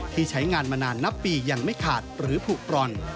ใช้งานมานานนับปียังไม่ขาดหรือผูกปร่อน